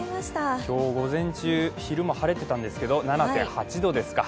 今日午前中、昼も晴れてたんですけど、７．８度ですか。